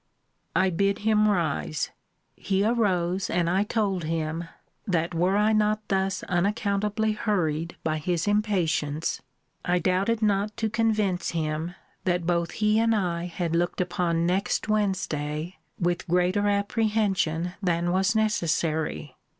I bid him rise. He arose; and I told him, that were I not thus unaccountably hurried by his impatience, I doubted not to convince him, that both he and I had looked upon next Wednesday with greater apprehension than was necessary.